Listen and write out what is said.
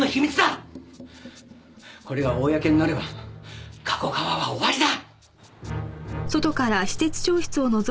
これが公になれば加古川は終わりだ！